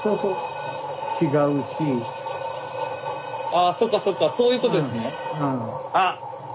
あそっかそっかそういうことですね。